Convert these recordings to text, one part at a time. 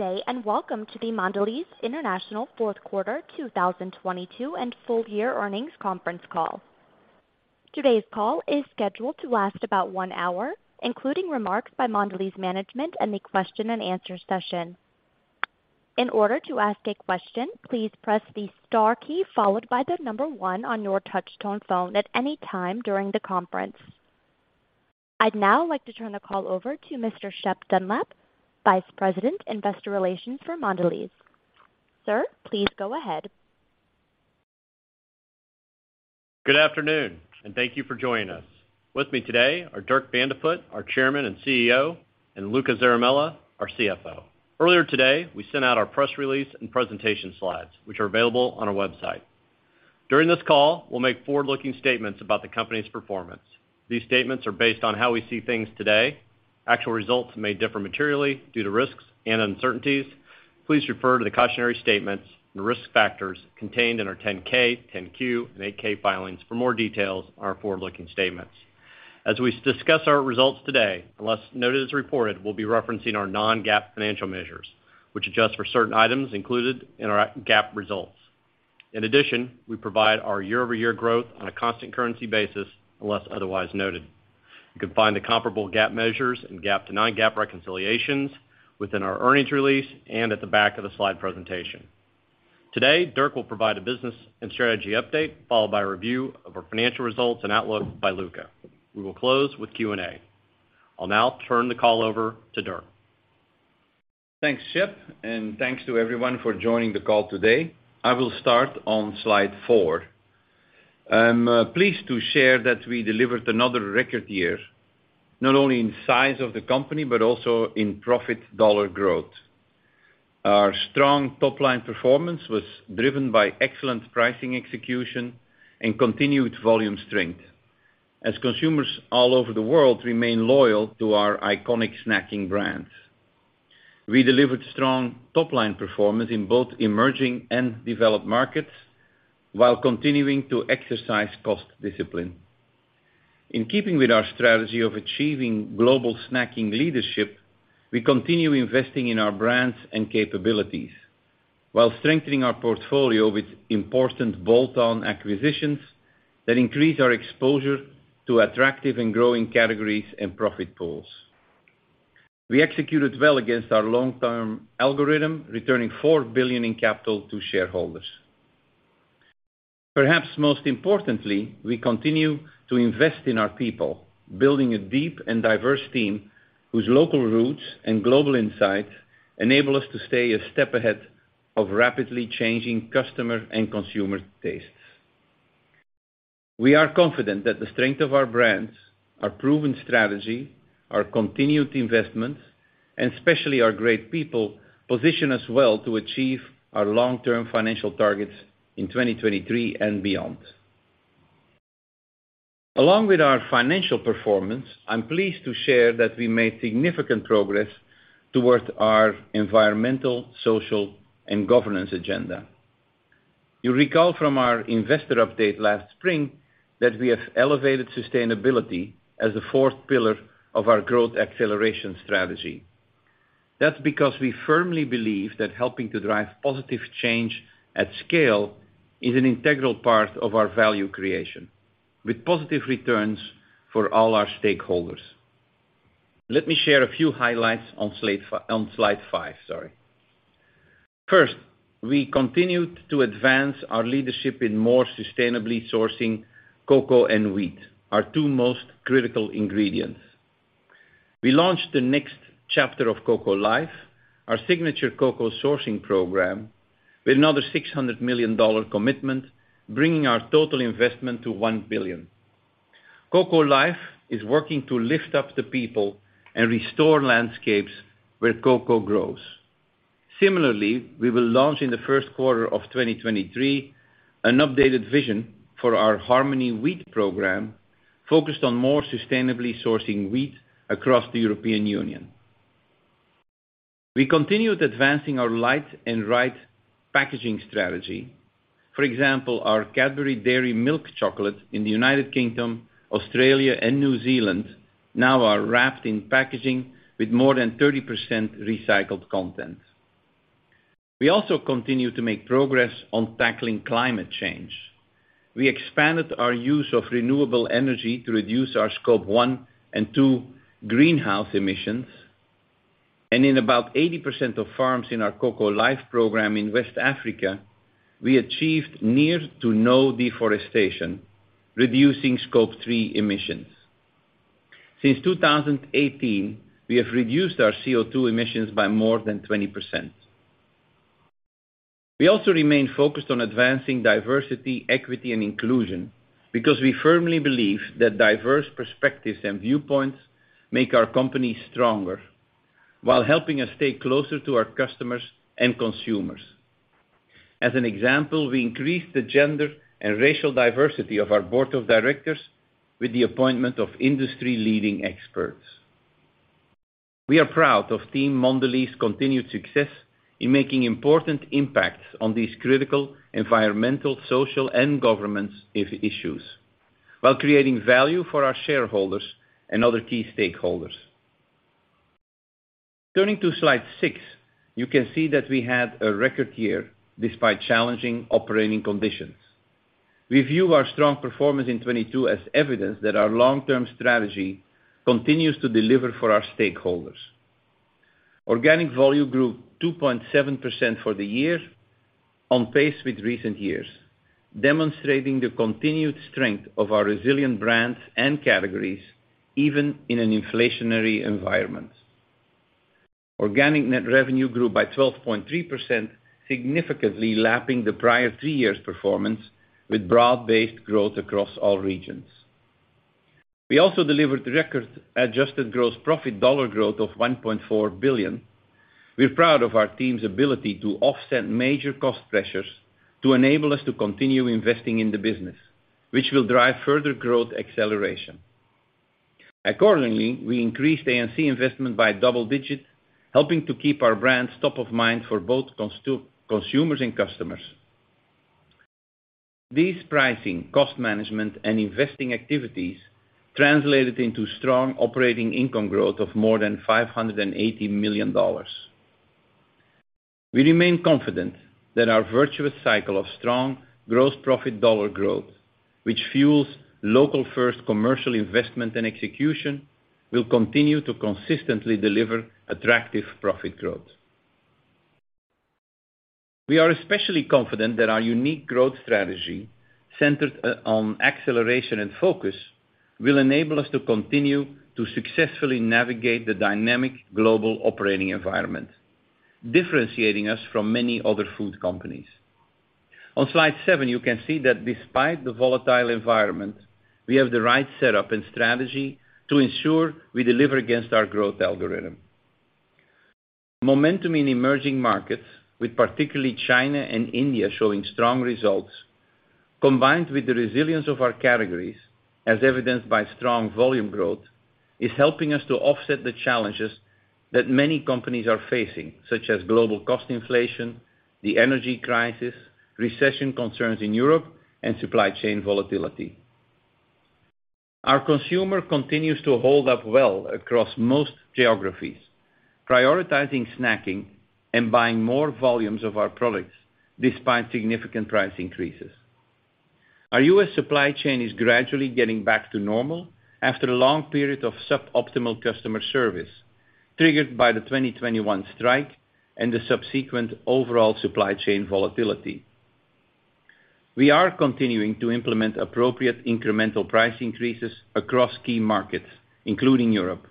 Good day, and welcome to the Mondelez International Fourth Quarter 2022 and Full Year Earnings Conference Call. Today's call is scheduled to last about one hour, including remarks by Mondelez management and the question and answer session. In order to ask a question, please press the star key followed by the number one on your touch-tone phone at any time during the conference. I'd now like to turn the call over to Mr. Shep Dunlap, Vice President, Investor Relations for Mondelez. Sir, please go ahead. Good afternoon, thank you for joining us. With me today are Dirk Van de Put, our Chairman and CEO, and Luca Zaramella, our CFO. Earlier today, we sent out our press release and presentation slides, which are available on our website. During this call, we'll make forward-looking statements about the company's performance. These statements are based on how we see things today. Actual results may differ materially due to risks and uncertainties. Please refer to the cautionary statements and risk factors contained in our 10-K, 10-Q, and 8-K filings for more details on our forward-looking statements. As we discuss our results today, unless noted as reported, we'll be referencing our non-GAAP financial measures, which adjust for certain items included in our GAAP results. We provide our year-over-year growth on a constant currency basis unless otherwise noted. You can find the comparable GAAP measures and non-GAAP reconciliations within our earnings release and at the back of the slide presentation. Today, Dirk will provide a business and strategy update, followed by a review of our financial results and outlook by Luca. We will close with Q&A. I'll now turn the call over to Dirk. Thanks, Shep, and thanks to everyone for joining the call today. I will start on slide four. I'm pleased to share that we delivered another record year, not only in size of the company, but also in profit dollar growth. Our strong top-line performance was driven by excellent pricing execution and continued volume strength as consumers all over the world remain loyal to our iconic snacking brands. We delivered strong top-line performance in both emerging and developed markets while continuing to exercise cost discipline. In keeping with our strategy of achieving global snacking leadership, we continue investing in our brands and capabilities while strengthening our portfolio with important bolt-on acquisitions that increase our exposure to attractive and growing categories and profit pools. We executed well against our long-term algorithm, returning $4 billion in capital to shareholders. Perhaps most importantly, we continue to invest in our people, building a deep and diverse team whose local roots and global insights enable us to stay a step ahead of rapidly changing customer and consumer tastes. We are confident that the strength of our brands, our proven strategy, our continued investments, and especially our great people, position us well to achieve our long-term financial targets in 2023 and beyond. Along with our financial performance, I'm pleased to share that we made significant progress towards our environmental, social, and governance agenda. You recall from our investor update last spring that we have elevated sustainability as the fourth pillar of our growth acceleration strategy. That's because we firmly believe that helping to drive positive change at scale is an integral part of our value creation, with positive returns for all our stakeholders. Let me share a few highlights on slide five, sorry. First, we continued to advance our leadership in more sustainably sourcing cocoa and wheat, our two most critical ingredients. We launched the next chapter of Cocoa Life, our signature cocoa sourcing program, with another $600 million commitment, bringing our total investment to $1 billion. Cocoa Life is working to lift up the people and restore landscapes where cocoa grows. Similarly, we will launch in the first quarter of 2023 an updated vision for our Harmony Wheat program, focused on more sustainably sourcing wheat across the European Union. We continued advancing our Light and Right packaging strategy. For example, our Cadbury Dairy Milk chocolate in the United Kingdom, Australia, and New Zealand now are wrapped in packaging with more than 30% recycled content. We also continue to make progress on tackling climate change. We expanded our use of renewable energy to reduce our Scope 1 and 2 greenhouse emissions, and in about 80% of farms in our Cocoa Life program in West Africa, we achieved near to no deforestation, reducing Scope 3 emissions. Since 2018, we have reduced our CO2 emissions by more than 20%. We also remain focused on advancing diversity, equity, and inclusion because we firmly believe that diverse perspectives and viewpoints make our company stronger while helping us stay closer to our customers and consumers. As an example, we increased the gender and racial diversity of our board of directors with the appointment of industry leading experts. We are proud of Team Mondelez's continued success in making important impacts on these critical environmental, social, and governance issues. Creating value for our shareholders and other key stakeholders. Turning to slide six, you can see that we had a record year despite challenging operating conditions. We view our strong performance in 22 as evidence that our long-term strategy continues to deliver for our stakeholders. Organic volume grew 2.7% for the year on pace with recent years, demonstrating the continued strength of our resilient brands and categories, even in an inflationary environment. Organic net revenue grew by 12.3%, significantly lapping the prior three years' performance, with broad-based growth across all regions. We also delivered record adjusted gross profit dollar growth of $1.4 billion. We're proud of our team's ability to offset major cost pressures to enable us to continue investing in the business, which will drive further growth acceleration. Accordingly, we increased A&C investment by double-digit, helping to keep our brands top of mind for both consumers and customers. These pricing, cost management, and investing activities translated into strong operating income growth of more than $580 million. We remain confident that our virtuous cycle of strong gross profit dollar growth, which fuels local-first commercial investment and execution, will continue to consistently deliver attractive profit growth. We are especially confident that our unique growth strategy, centered on acceleration and focus, will enable us to continue to successfully navigate the dynamic global operating environment, differentiating us from many other food companies. On slide seven, you can see that despite the volatile environment, we have the right setup and strategy to ensure we deliver against our growth algorithm. Momentum in emerging markets, with particularly China and India showing strong results, combined with the resilience of our categories, as evidenced by strong volume growth, is helping us to offset the challenges that many companies are facing, such as global cost inflation, the energy crisis, recession concerns in Europe, and supply chain volatility. Our consumer continues to hold up well across most geographies, prioritizing snacking and buying more volumes of our products despite significant price increases. Our U.S. supply chain is gradually getting back to normal after a long period of suboptimal customer service, triggered by the 2021 strike and the subsequent overall supply chain volatility. We are continuing to implement appropriate incremental price increases across key markets, including Europe.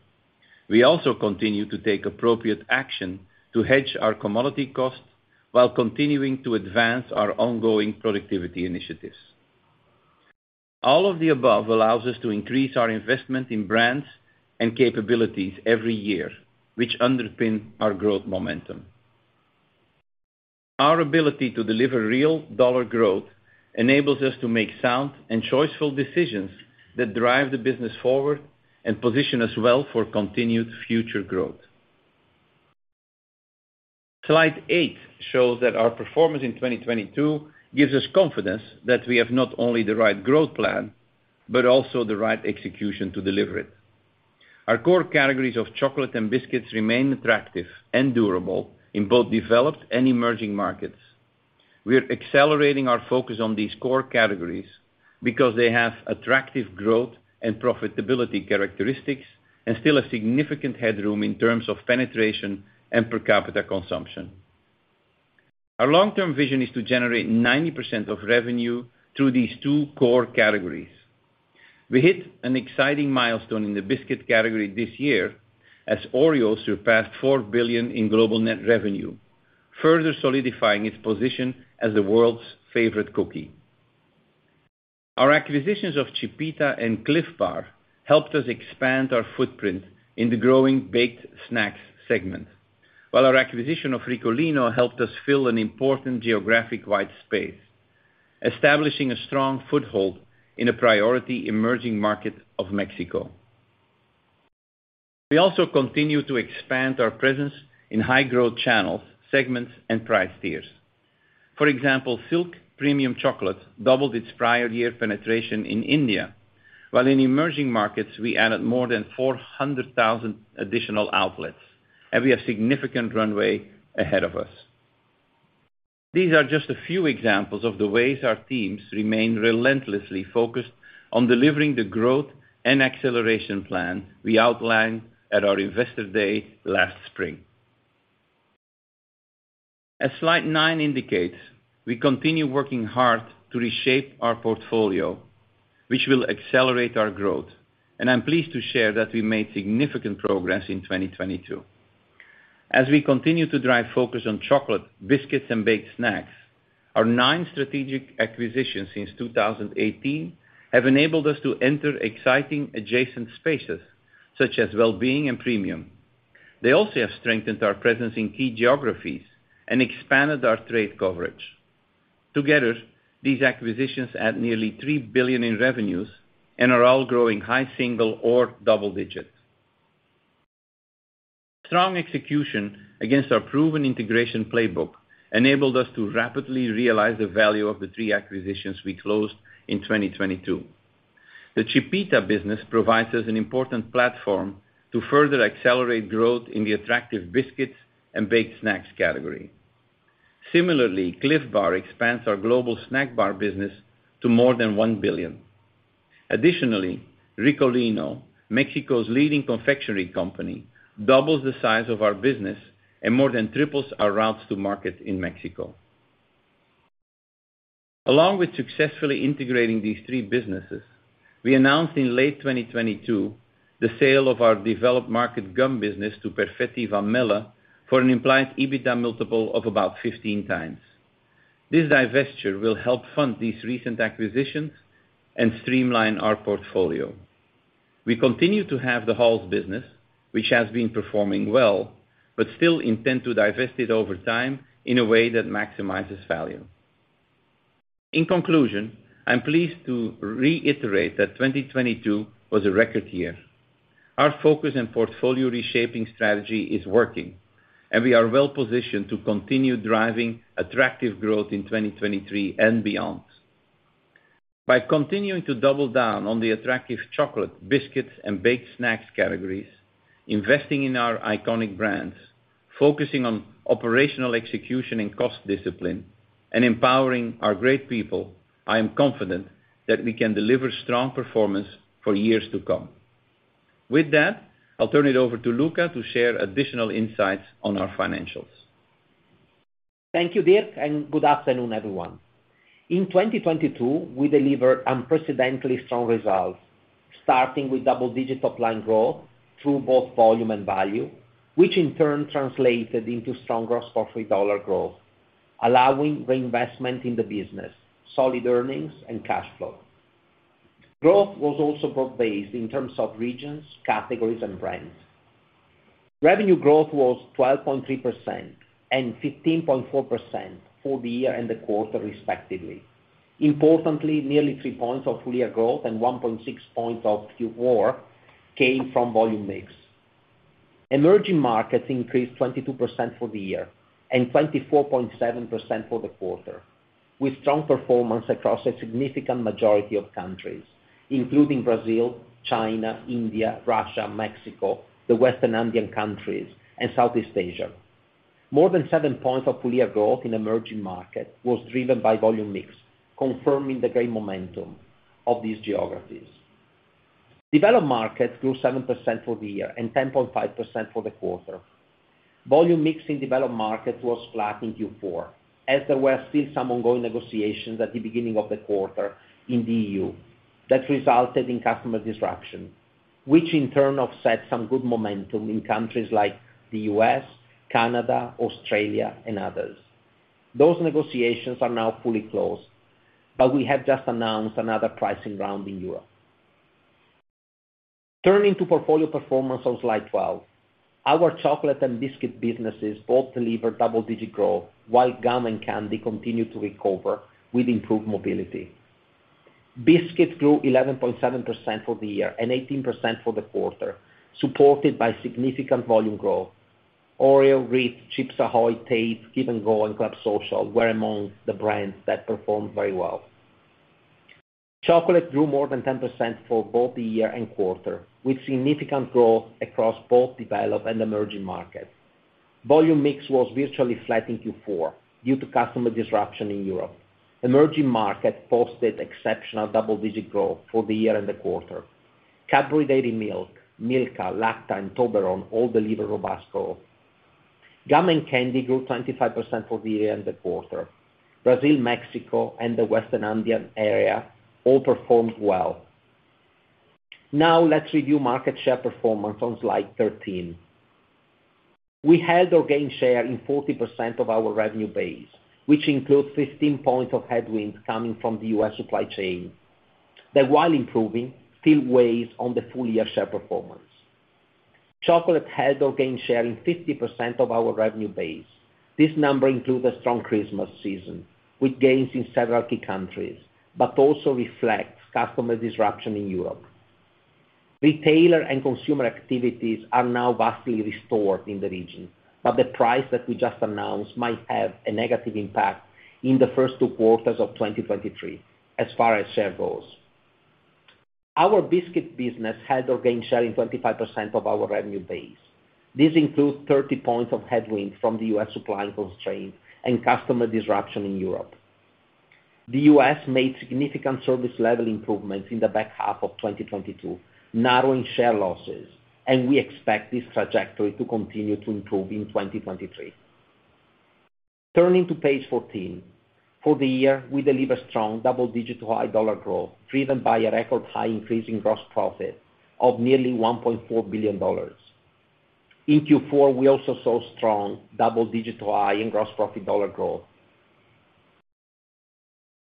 We continue to take appropriate action to hedge our commodity costs while continuing to advance our ongoing productivity initiatives. All of the above allows us to increase our investment in brands and capabilities every year, which underpin our growth momentum. Our ability to deliver real dollar growth enables us to make sound and choiceful decisions that drive the business forward and position us well for continued future growth. Slide eight shows that our performance in 2022 gives us confidence that we have not only the right growth plan, but also the right execution to deliver it. Our core categories of chocolate and biscuits remain attractive and durable in both developed and emerging markets. We are accelerating our focus on these core categories because they have attractive growth and profitability characteristics and still a significant headroom in terms of penetration and per capita consumption. Our long-term vision is to generate 90% of revenue through these two core categories. We hit an exciting milestone in the biscuit category this year as Oreo surpassed $4 billion in global net revenue, further solidifying its position as the world's favorite cookie. Our acquisitions of Chipita and Clif Bar helped us expand our footprint in the growing baked snacks segment, while our acquisition of Ricolino helped us fill an important geographic white space, establishing a strong foothold in a priority emerging market of Mexico. We also continue to expand our presence in high-growth channels, segments, and price tiers. For example, Silk premium chocolate doubled its prior year penetration in India, while in emerging markets, we added more than 400,000 additional outlets, and we have significant runway ahead of us. These are just a few examples of the ways our teams remain relentlessly focused on delivering the growth and acceleration plan we outlined at our Investor Day last spring. As slide nine indicates, we continue working hard to reshape our portfolio, which will accelerate our growth. I'm pleased to share that we made significant progress in 2022. As we continue to drive focus on chocolate, biscuits, and baked snacks, our nine strategic acquisitions since 2018 have enabled us to enter exciting adjacent spaces such as wellbeing and premium. They also have strengthened our presence in key geographies and expanded our trade coverage. Together, these acquisitions add nearly $3 billion in revenues and are all growing high single or double digits. Strong execution against our proven integration playbook enabled us to rapidly realize the value of the three acquisitions we closed in 2022. The Chipita business provides us an important platform to further accelerate growth in the attractive biscuits and baked snacks category. Similarly, Clif Bar expands our global snack bar business to more than $1 billion. Additionally, Ricolino, Mexico's leading confectionery company, doubles the size of our business and more than triples our routes to market in Mexico. Along with successfully integrating these three businesses, we announced in late 2022 the sale of our developed market gum business to Perfetti Van Melle for an implied EBITDA multiple of about 15x. This divestiture will help fund these recent acquisitions and streamline our portfolio. We continue to have the Halls business, which has been performing well, but still intend to divest it over time in a way that maximizes value. In conclusion, I'm pleased to reiterate that 2022 was a record year. Our focus and portfolio reshaping strategy is working, and we are well-positioned to continue driving attractive growth in 2023 and beyond. By continuing to double down on the attractive chocolate, biscuits, and baked snacks categories, investing in our iconic brands, focusing on operational execution and cost discipline, and empowering our great people, I am confident that we can deliver strong performance for years to come. With that, I'll turn it over to Luca to share additional insights on our financials. Thank you, Dirk. Good afternoon, everyone. In 2022, we delivered unprecedentedly strong results, starting with double-digit top-line growth through both volume and value, which in turn translated into strong gross profit dollar growth, allowing reinvestment in the business, solid earnings, and cash flow. Growth was also broad-based in terms of regions, categories, and brands. Revenue growth was 12.3% and 15.4% for the year and the quarter, respectively. Importantly, nearly three points of full year growth and 1.6 points of Q4 came from volume mix. Emerging markets increased 22% for the year and 24.7% for the quarter, with strong performance across a significant majority of countries, including Brazil, China, India, Russia, Mexico, the Western Andean countries, and Southeast Asia. More than seven points of full year growth in emerging market was driven by volume mix, confirming the great momentum of these geographies. Developed markets grew 7% for the year and 10.5% for the quarter. Volume mix in developed markets was flat in Q4, as there were still some ongoing negotiations at the beginning of the quarter in the E.U. that resulted in customer disruption, which in turn offset some good momentum in countries like the U.S., Canada, Australia, and others. Those negotiations are now fully closed, but we have just announced another pricing round in Europe. Turning to portfolio performance on slide 12. Our chocolate and biscuit businesses both delivered double-digit growth while gum and candy continued to recover with improved mobility. Biscuits grew 11.7% for the year and 18% for the quarter, supported by significant volume growth. Oreo, Ritz, Chips Ahoy!, Tate, Give Go, and Club Social were among the brands that performed very well. Chocolate grew more than 10% for both the year and quarter, with significant growth across both developed and emerging markets. Volume mix was virtually flat in Q4 due to customer disruption in Europe. Emerging markets posted exceptional double-digit growth for the year and the quarter. Cadbury Dairy Milk, Milka, Lacta, and Toblerone all delivered robust growth. Gum and candy grew 25% for the year and the quarter. Brazil, Mexico, and the Western Andean area all performed well. Let's review market share performance on slide 13. We held or gained share in 40% of our revenue base, which includes 15 points of headwinds coming from the U.S. supply chain that, while improving, still weighs on the full-year share performance. Chocolate held or gained share in 50% of our revenue base. This number includes a strong Christmas season with gains in several key countries, but also reflects customer disruption in Europe. Retailer and consumer activities are now vastly restored in the region. The price that we just announced might have a negative impact in the first two quarters of 2023 as far as share goes. Our biscuit business held or gained share in 25% of our revenue base. This includes 30 points of headwind from the U.S. supply constraints and customer disruption in Europe. The U.S. made significant service level improvements in the back half of 2022, narrowing share losses. We expect this trajectory to continue to improve in 2023. Turning to page 14. For the year, we delivered strong double-digit high dollar growth, driven by a record high increase in gross profit of nearly $1.4 billion. In Q4, we also saw strong double-digit high in gross profit dollar growth.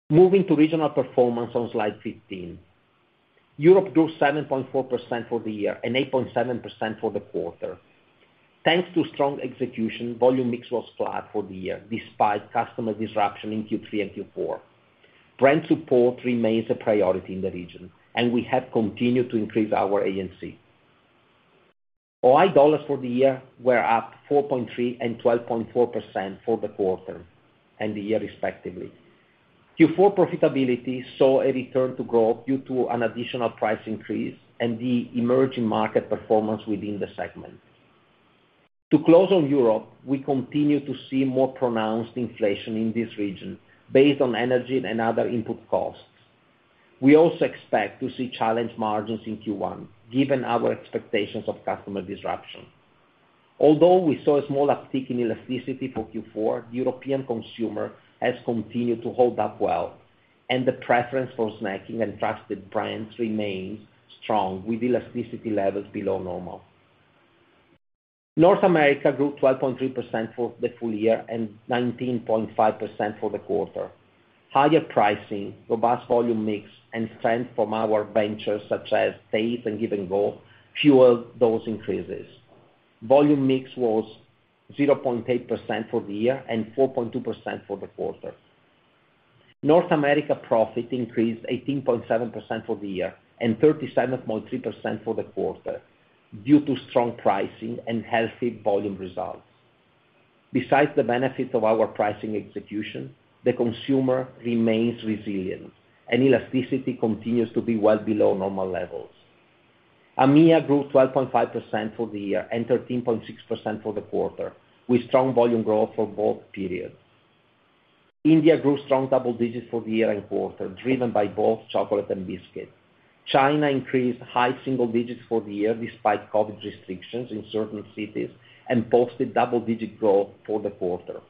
Moving to regional performance on slide 15. Europe grew 7.4% for the year and 8.7% for the quarter. Thanks to strong execution, volume mix was flat for the year despite customer disruption in Q3 and Q4. Brand support remains a priority in the region, and we have continued to increase our ANC. OI dollars for the year were up 4.3% and 12.4% for the quarter and the year respectively. Q4 profitability saw a return to growth due to an additional price increase and the emerging market performance within the segment. To close on Europe, we continue to see more pronounced inflation in this region based on energy and other input costs. We also expect to see challenged margins in Q1 given our expectations of customer disruption. Although we saw a small uptick in elasticity for Q4, European consumer has continued to hold up well. The preference for snacking and trusted brands remains strong with elasticity levels below normal. North America grew 12.3% for the full year and 19.5% for the quarter. Higher pricing, robust volume mix, and strength from our ventures such as Tate's and Give and Go fueled those increases. Volume mix was 0.8% for the year and 4.2% for the quarter. North America profit increased 18.7% for the year and 37.3% for the quarter due to strong pricing and healthy volume results. Besides the benefit of our pricing execution, the consumer remains resilient and elasticity continues to be well below normal levels. AMEA grew 12.5% for the year and 13.6% for the quarter, with strong volume growth for both periods. India grew strong double digits for the year and quarter, driven by both chocolate and biscuits. China increased high single digits for the year despite COVID restrictions in certain cities and posted double-digit growth for the quarter.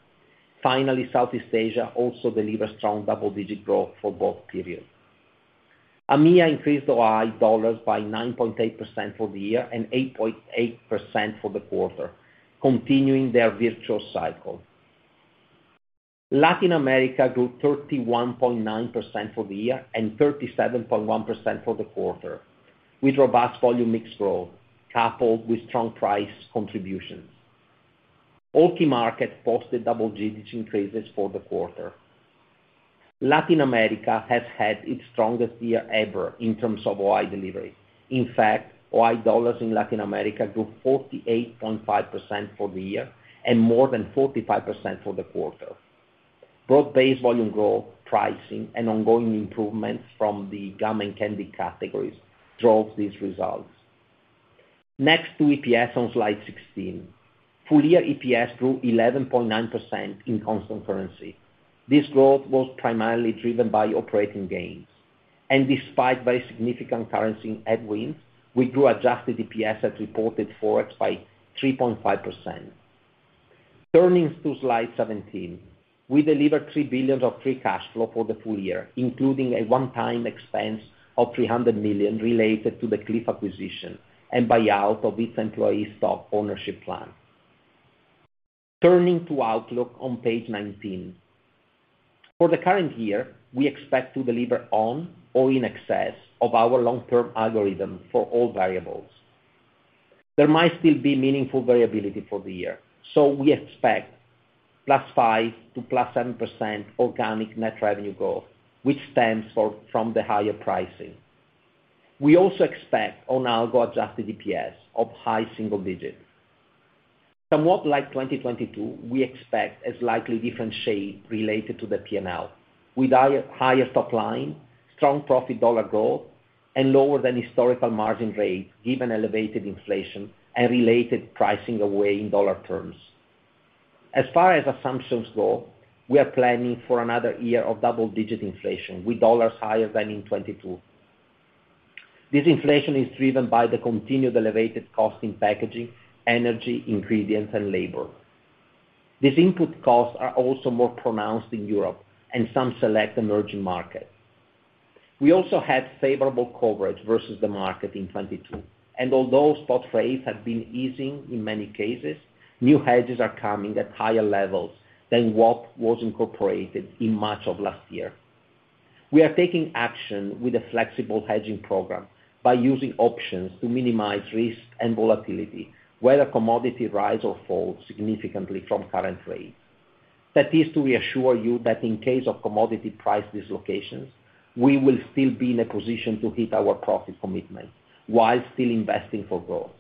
Finally, Southeast Asia also delivered strong double-digit growth for both periods. AMEA increased OI dollars by 9.8% for the year and 8.8% for the quarter, continuing their virtual cycle. Latin America grew 31.9% for the year and 37.1% for the quarter, with robust volume mix growth coupled with strong price contributions. All key markets posted double-digit increases for the quarter. Latin America has had its strongest year ever in terms of OI delivery. In fact, OI dollars in Latin America grew 48.5% for the year and more than 45% for the quarter. Broad-based volume growth, pricing, and ongoing improvements from the gum and candy categories drove these results. Next to EPS on slide 16. Full year EPS grew 11.9% in constant currency. This growth was primarily driven by operating gains. Despite very significant currency headwinds, we grew adjusted EPS as reported forex by 3.5%. Turning to slide 17. We delivered $3 billion of free cash flow for the full year, including a one-time expense of $300 million related to the Clif acquisition and buyout of its Employee Stock Ownership Plan. Turning to outlook on page 19. For the current year, we expect to deliver on or in excess of our long-term algorithm for all variables. There might still be meaningful variability for the year. We expect +5% to +7% organic net revenue growth, which stems from the higher pricing. We also expect on algo-adjusted EPS of high single digits. Somewhat like 2022, we expect a slightly different shade related to the P&L, with higher top line, strong profit dollar growth, and lower than historical margin rates, given elevated inflation and related pricing away in dollar terms. As far as assumptions go, we are planning for another year of double-digit inflation with dollars higher than in 2022. This inflation is driven by the continued elevated cost in packaging, energy, ingredients, and labor. These input costs are also more pronounced in Europe and some select emerging markets. We also had favorable coverage versus the market in 2022, and although spot rates have been easing in many cases, new hedges are coming at higher levels than what was incorporated in much of last year. We are taking action with a flexible hedging program by using options to minimize risk and volatility, whether commodity rise or fall significantly from current rates. That is to reassure you that in case of commodity price dislocations, we will still be in a position to hit our profit commitment while still investing for growth.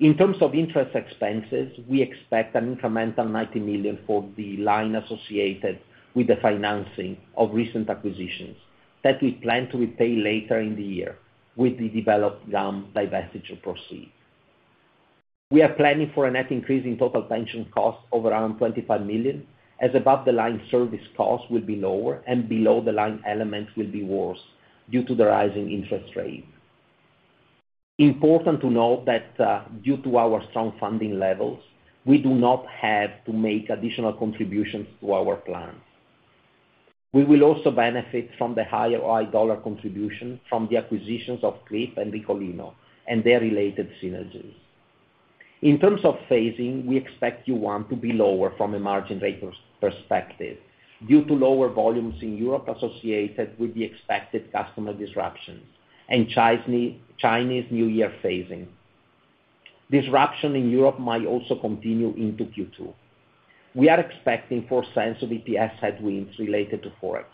In terms of interest expenses, we expect an incremental $90 million for the line associated with the financing of recent acquisitions that we plan to repay later in the year with the developed gum divestiture proceed. We are planning for a net increase in total pension costs of around $25 million, as above-the-line service costs will be lower and below-the-line elements will be worse due to the rising interest rate. Important to note that, due to our strong funding levels, we do not have to make additional contributions to our plans. We will also benefit from the higher OI dollar contribution from the acquisitions of Clif and Ricolino and their related synergies. In terms of phasing, we expect Q1 to be lower from a margin rate perspective due to lower volumes in Europe associated with the expected customer disruptions and Chinese New Year phasing. Disruption in Europe might also continue into Q2. We are expecting $0.04 of EPS headwinds related to forex.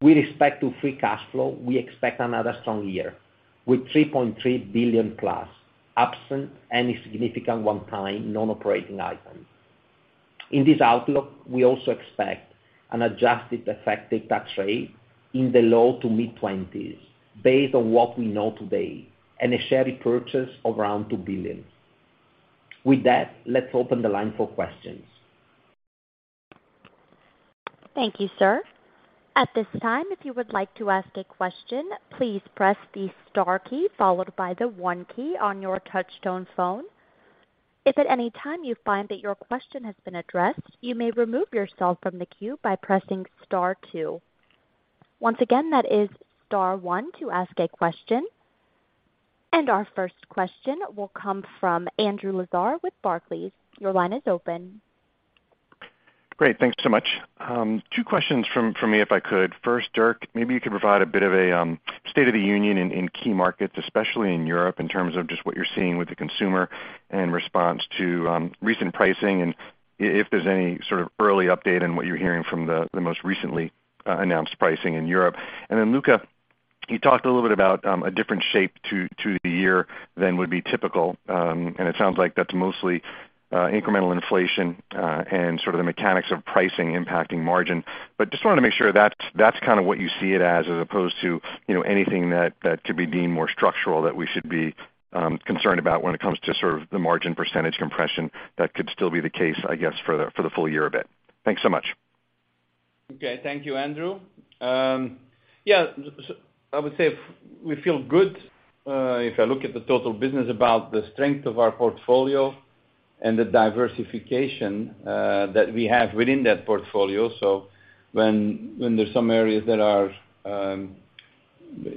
With respect to free cash flow, we expect another strong year with $3.3 billion plus, absent any significant one-time non-operating items. In this outlook, we also expect an adjusted effective tax rate in the low to mid-20s based on what we know today, and a share repurchase of around $2 billion. Let's open the line for questions. Thank you, sir. At this time, if you would like to ask a question, please press the Star key followed by the One key on your touch-tone phone. If at any time you find that your question has been addressed, you may remove yourself from the queue by pressing star two. Once again, that is star one to ask a question. Our first question will come from Andrew Lazar with Barclays. Your line is open. Great. Thanks so much. Two questions from me, if I could. First, Dirk, maybe you could provide a bit of a state of the union in key markets, especially in Europe, in terms of just what you're seeing with the consumer and response to recent pricing, and if there's any sort of early update on what you're hearing from the most recently announced pricing in Europe. Luca, you talked a little bit about a different shape to the year than would be typical, and it sounds like that's mostly incremental inflation and sort of the mechanics of pricing impacting margin. Just wanted to make sure that's kind of what you see it as opposed to, you know, anything that could be deemed more structural that we should be concerned about when it comes to sort of the margin percentage compression that could still be the case, I guess, for the full year a bit. Thanks so much. Thank you, Andrew. I would say we feel good, if I look at the total business about the strength of our portfolio and the diversification that we have within that portfolio. When there's some areas that are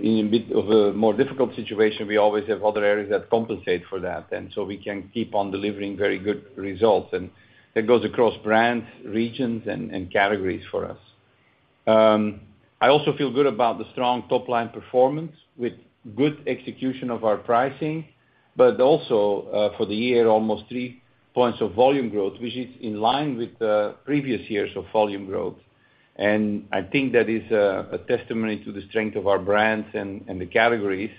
in a bit of a more difficult situation, we always have other areas that compensate for that. We can keep on delivering very good results, and that goes across brands, regions, and categories for us. I also feel good about the strong top-line performance with good execution of our pricing, but also, for the year, almost three points of volume growth, which is in line with the previous years of volume growth. I think that is a testimony to the strength of our brands and the categories.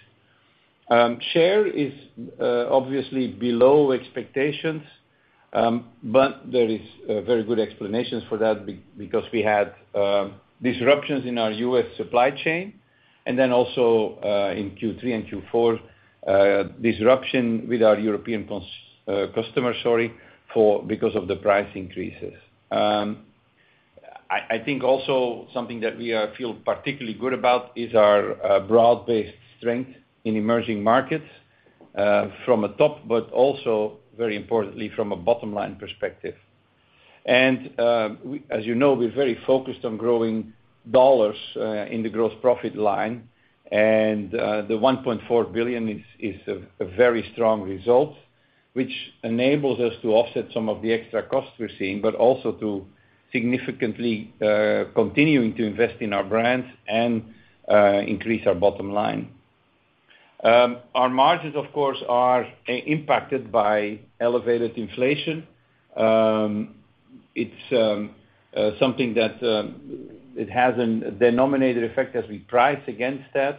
Share is obviously below expectations, but there is very good explanations for that because we had disruptions in our U.S. supply chain, and then also in Q3 and Q4, disruption with our European customer, sorry, because of the price increases. I think also something that we feel particularly good about is our broad-based strength in emerging markets, from a top, but also, very importantly, from a bottom-line perspective. As you know, we're very focused on growing dollars in the gross profit line, and the $1.4 billion is a very strong result, which enables us to offset some of the extra costs we're seeing, but also to significantly continuing to invest in our brands and increase our bottom line. Our margins, of course, are impacted by elevated inflation. It's something that it has an denominator effect as we price against that,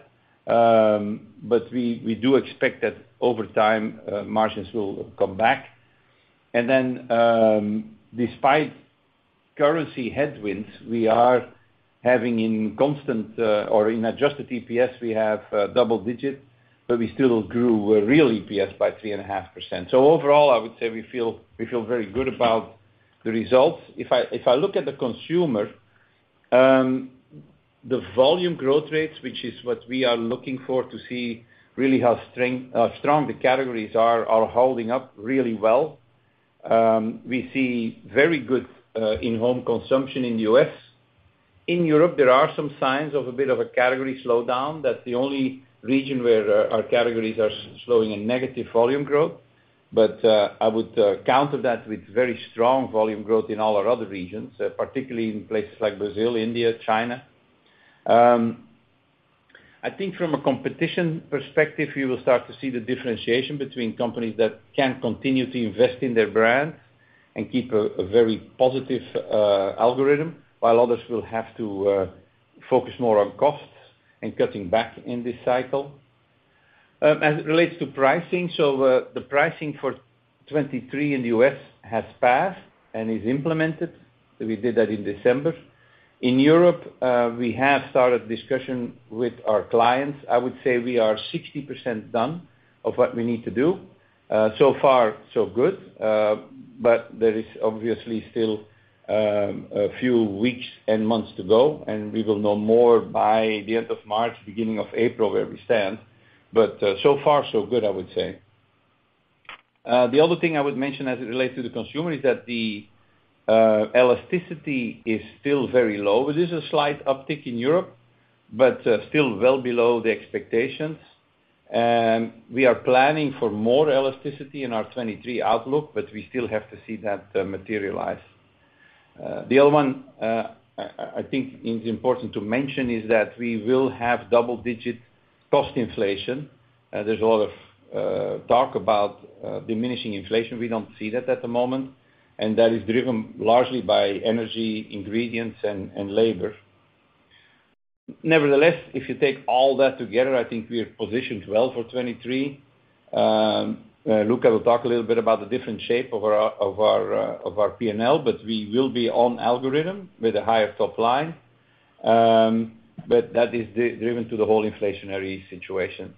but we do expect that over time, margins will come back. Despite currency headwinds, we are having in constant or in adjusted EPS, we have double digits, but we still grew our real EPS by 3.5%. Overall, I would say we feel very good about the results. If I look at the consumer, the volume growth rates, which is what we are looking for to see really how strong the categories are holding up really well. We see very good in-home consumption in the U.S. In Europe, there are some signs of a bit of a category slowdown. That's the only region where our categories are slowing in negative volume growth. I would counter that with very strong volume growth in all our other regions, particularly in places like Brazil, India, China. I think from a competition perspective, you will start to see the differentiation between companies that can continue to invest in their brand and keep a very positive algorithm, while others will have to focus more on costs and cutting back in this cycle. As it relates to pricing, the pricing for 2023 in the U.S. has passed and is implemented. We did that in December. In Europe, we have started discussion with our clients. I would say we are 60% done of what we need to do. So far so good. There is obviously still a few weeks and months to go, and we will know more by the end of March, beginning of April, where we stand. So far so good, I would say. The other thing I would mention as it relates to the consumer is that the elasticity is still very low. There's a slight uptick in Europe, still well below the expectations. We are planning for more elasticity in our 2023 outlook, but we still have to see that materialize. The other one, I think is important to mention is that we will have double digit cost inflation. There's a lot of talk about diminishing inflation. We don't see that at the moment, and that is driven largely by energy, ingredients and labor. Nevertheless, if you take all that together, I think we are positioned well for 2023. Luca will talk a little bit about the different shape of our P&L, but we will be on algorithm with a higher top line. But that is driven to the whole inflationary situation.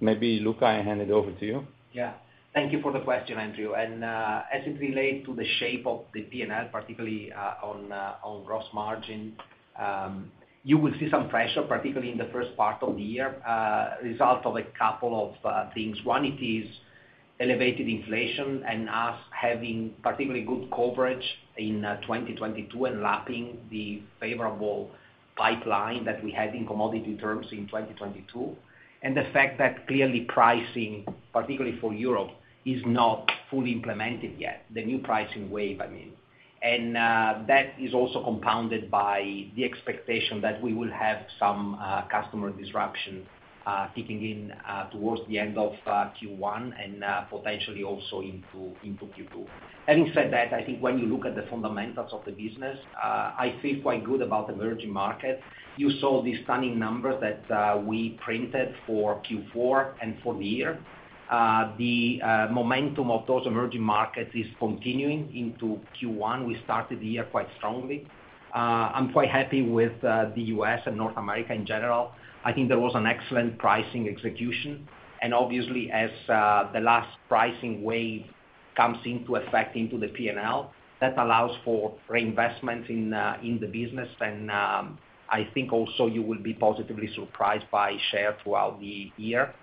Maybe Luca, I hand it over to you. Yeah. Thank you for the question, Andrew. As it relates to the shape of the P&L, particularly on gross margin, you will see some pressure, particularly in the first part of the year, result of a couple of things. One, it is elevated inflation and us having particularly good coverage in 2022 and lapping the favorable pipeline that we had in commodity terms in 2022. The fact that clearly pricing, particularly for Europe, is not fully implemented yet, the new pricing wave, I mean. That is also compounded by the expectation that we will have some customer disruption kicking in towards the end of Q1 and potentially also into Q2. Having said that, I think when you look at the fundamentals of the business, I feel quite good about emerging markets. You saw the stunning numbers that we printed for Q4 and for the year. The momentum of those emerging markets is continuing into Q1. We started the year quite strongly. I'm quite happy with the U.S. and North America in general. I think there was an excellent pricing execution. As the last pricing wave comes into effect into the P&L, that allows for reinvestment in the business. I think also you will be positively surprised by share throughout the year.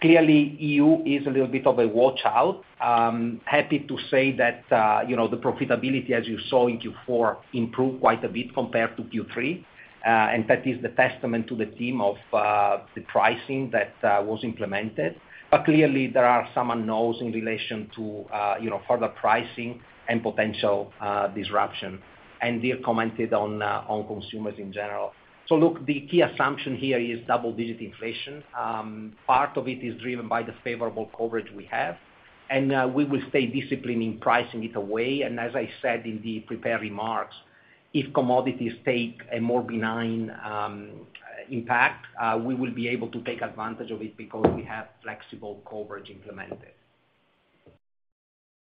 Clearly EU is a little bit of a watch out. Happy to say that, you know, the profitability as you saw in Q4 improved quite a bit compared to Q3. That is the testament to the team of the pricing that was implemented. Clearly there are some unknowns in relation to, you know, further pricing and potential disruption. We have commented on consumers in general. Look, the key assumption here is double-digit inflation. Part of it is driven by the favorable coverage we have, we will stay disciplined in pricing it away. As I said in the prepared remarks, if commodities take a more benign impact, we will be able to take advantage of it because we have flexible coverage implemented.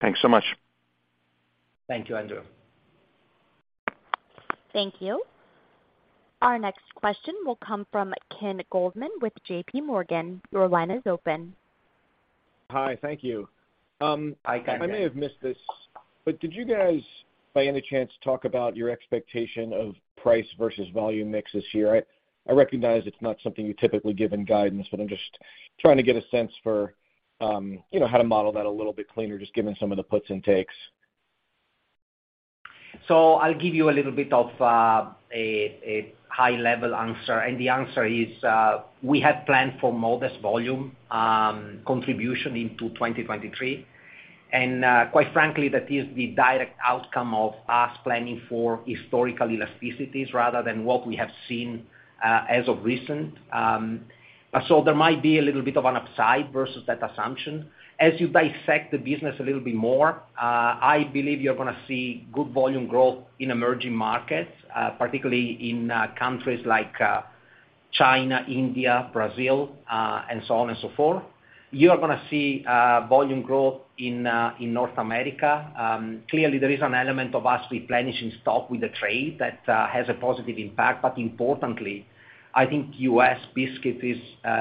Thanks so much. Thank you, Andrew. Thank you. Our next question will come from Ken Goldman with JPMorgan. Your line is open. Hi. Thank you. Hi, Ken. I may have missed this, but did you guys by any chance talk about your expectation of price versus volume mix this year? I recognize it's not something you typically give in guidance, but I'm just trying to get a sense for, you know, how to model that a little bit cleaner, just given some of the puts and takes. I'll give you a little bit of a high level answer. The answer is, we had planned for modest volume contribution into 2023. Quite frankly, that is the direct outcome of us planning for historical elasticities rather than what we have seen as of recent. There might be a little bit of an upside versus that assumption. As you dissect the business a little bit more, I believe you're gonna see good volume growth in emerging markets, particularly in countries like China, India, Brazil, and so on and so forth. You are gonna see volume growth in North America. Clearly there is an element of us replenishing stock with the trade that has a positive impact. Importantly, I think U.S. Biscuit is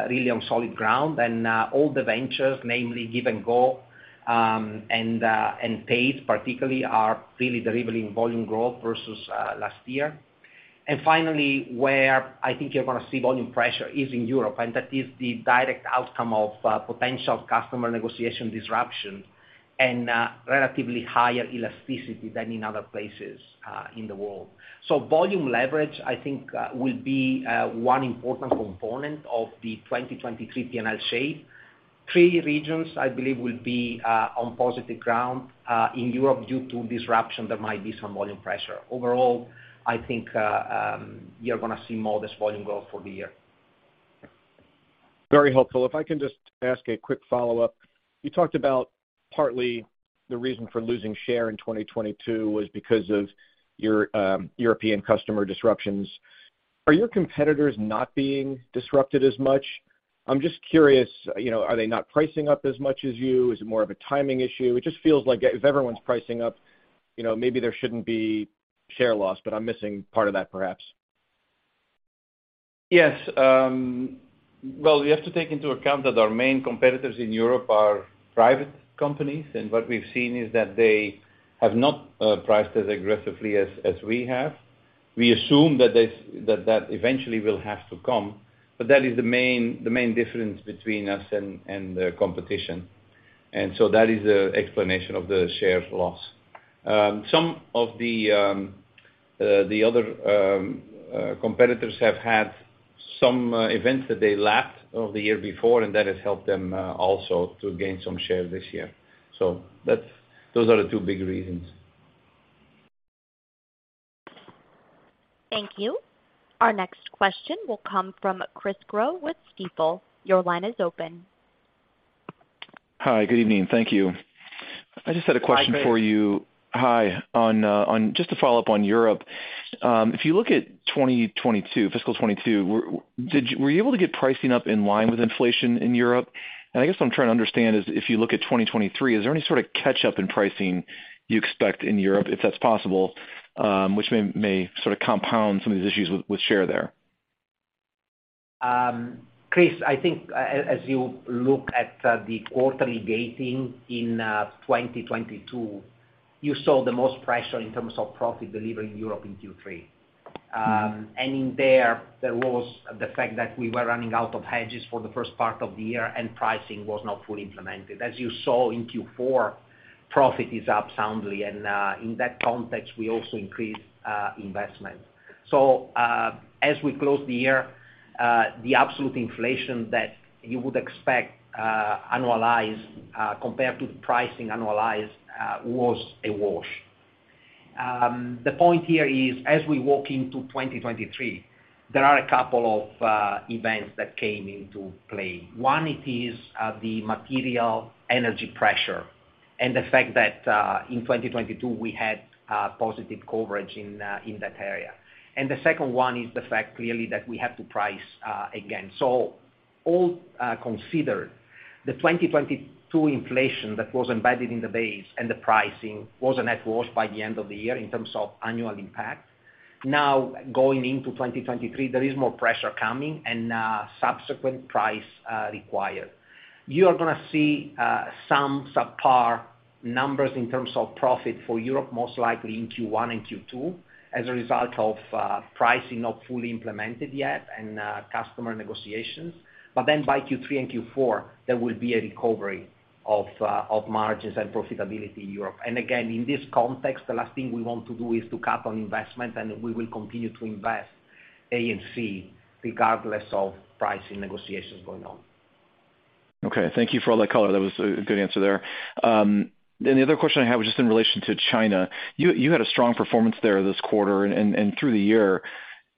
really on solid ground and all the ventures, namely Give and Go, and Pace particularly are really delivering volume growth versus last year. Finally, where I think you're going to see volume pressure is in Europe, and that is the direct outcome of potential customer negotiation disruption and relatively higher elasticity than in other places in the world. Volume leverage, I think, will be one important component of the 2023 P&L shape. Three regions I believe will be on positive ground. In Europe, due to disruption, there might be some volume pressure. Overall, I think, you're going to see modest volume growth for the year. Very helpful. If I can just ask a quick follow-up. You talked about partly the reason for losing share in 2022 was because of your European customer disruptions. Are your competitors not being disrupted as much? I'm just curious, you know, are they not pricing up as much as you? Is it more of a timing issue? It just feels like if everyone's pricing up, you know, maybe there shouldn't be share loss, but I'm missing part of that, perhaps. Yes. Well, you have to take into account that our main competitors in Europe are private companies, and what we've seen is that they have not priced as aggressively as we have. We assume that that eventually will have to come, but that is the main difference between us and the competition. That is the explanation of the share loss. Some of the. The other competitors have had some events that they lacked of the year before, and that has helped them also to gain some share this year. Those are the two big reasons. Thank you. Our next question will come from Christopher Growe with Stifel. Your line is open. Hi, good evening. Thank you. Hi, Chris. I just had a question for you. Hi. Just to follow up on Europe, if you look at 2022, fiscal 2022, were you able to get pricing up in line with inflation in Europe? I guess what I'm trying to understand is if you look at 2023, is there any sort of catch-up in pricing you expect in Europe, if that's possible, which may sort of compound some of these issues with share there? Chris, I think as you look at the quarterly gating in 2022, you saw the most pressure in terms of profit delivery in Europe in Q3. In there was the fact that we were running out of hedges for the first part of the year and pricing was not fully implemented. As you saw in Q4, profit is up soundly, and in that context, we also increased investment. As we close the year, the absolute inflation that you would expect, annualized, compared to the pricing annualized, was a wash. The point here is, as we walk into 2023, there are a couple of events that came into play. One, it is the material energy pressure and the fact that in 2022, we had positive coverage in that area. The second one is the fact, clearly, that we have to price again. All considered, the 2022 inflation that was embedded in the base, and the pricing was a net loss by the end of the year in terms of annual impact. Now, going into 2023, there is more pressure coming and subsequent price required. You are gonna see some subpar numbers in terms of profit for Europe, most likely in Q1 and Q2, as a result of pricing not fully implemented yet and customer negotiations. Then by Q3 and Q4, there will be a recovery of margins and profitability in Europe. Again, in this context, the last thing we want to do is to cut on investment, and we will continue to invest A&C regardless of pricing negotiations going on. Okay. Thank you for all that color. That was a good answer there. The other question I have was just in relation to China. You had a strong performance there this quarter and through the year.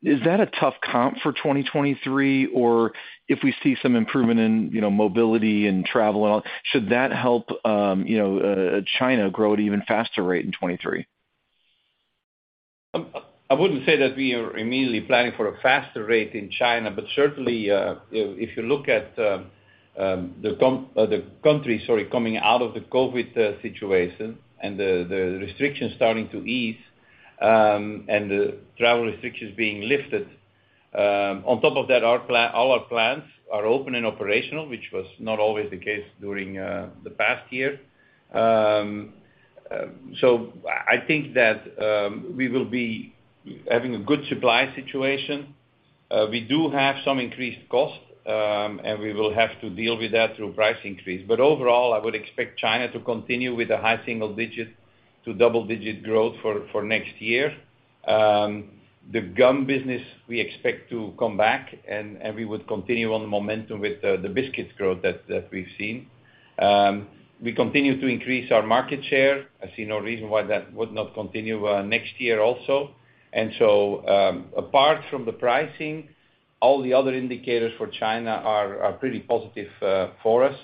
Is that a tough comp for 2023? If we see some improvement in, you know, mobility and travel, should that help, you know, China grow at an even faster rate in 2023? I wouldn't say that we are immediately planning for a faster rate in China, but certainly, if you look at the country, sorry, coming out of the COVID situation and the restrictions starting to ease, and the travel restrictions being lifted. On top of that, all our plants are open and operational, which was not always the case during the past year. So I think that we will be having a good supply situation. We do have some increased costs, and we will have to deal with that through price increase. Overall, I would expect China to continue with a high single-digit to double-digit growth for next year. The gum business, we expect to come back and we would continue on the momentum with the biscuits growth we've seen. We continue to increase our market share. I see no reason why that would not continue next year also. Apart from the pricing, all the other indicators for China are pretty positive for us.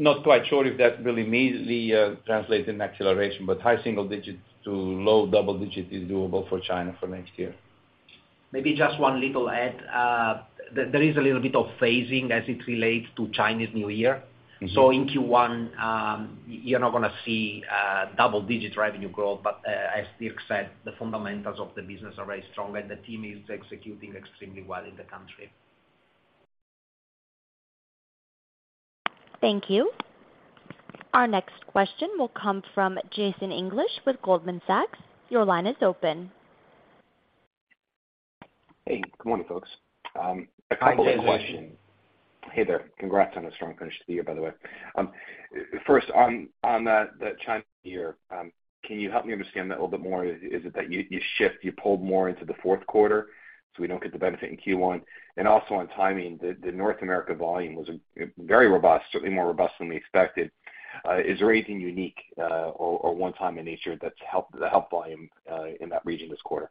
Not quite sure if that will immediately translate in acceleration, but high single digits to low double digit is doable for China for next year. Maybe just one little add. There is a little bit of phasing as it relates to Chinese New Year. Mm-hmm. In Q1, you're not gonna see double-digit revenue growth. As Dirk said, the fundamentals of the business are very strong, and the team is executing extremely well in the country. Thank you. Our next question will come from Jason English with Goldman Sachs. Your line is open. Hey, good morning, folks. A couple of questions. Hi, Jason. Hey there. Congrats on a strong finish to the year, by the way. First on the China year, can you help me understand that a little bit more? Is it that you shift, you pulled more into the fourth quarter, so we don't get the benefit in Q1? Also on timing, the North America volume was very robust, certainly more robust than we expected. Is there anything unique, or one time in nature that's helped volume in that region this quarter?